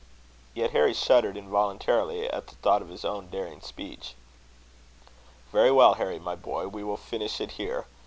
Yet Harry shuddered involuntarily at the thought of his own daring speech. "Very well, Harry, my boy; we will finish it here.